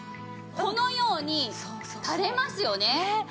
このようにたれますよね。